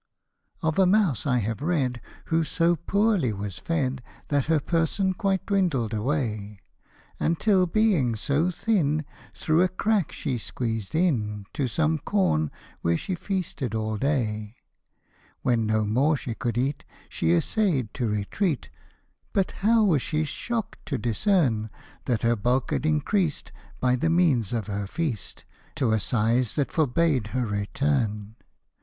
OF a mouse I have read, who so poorly was fed, That her person quite dwindled aw*ay ; Until being so thin, through a crack $ie squeezed in To some corn, where she feasted aH day. When no more she could eat, she essay'd to retreat, But how was she shock'd to discern That her bulk had increas'd, by the means of her feast, To a size that forbad her return